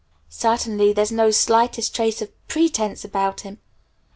Certainly there's no slightest trace of pretence about him!...